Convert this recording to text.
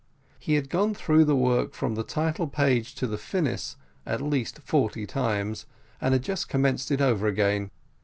He had gone through the work from the title page to the finis at least forty times, and had just commenced it over again.